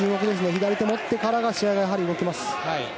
左手を持ってからが試合が動きます。